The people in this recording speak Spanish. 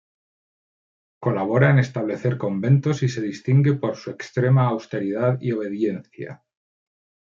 Colabora en establecer conventos y se distingue por su extrema austeridad y obediencia.